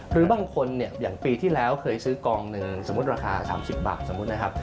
หรือบางคนเนี่ยอย่างปีที่แล้วเคยซื้อกองหนึ่งสมมุติราคา๓๐บาทสมมุตินะครับ